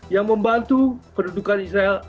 yang membantu pendudukan israel